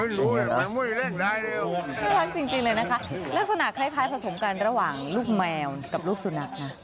รักสุนัขคล้ายสะสมกันระหว่างลูกแมวกับลูกสุนัขนะ